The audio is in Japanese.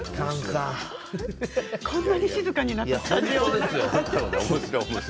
こんなに静かになったスタジオ。